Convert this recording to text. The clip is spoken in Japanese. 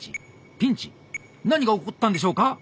ピンチ？何が起こったんでしょうか？